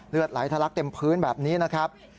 เลือดไหลทะลักเต็มพื้นแบบนี้นะครับ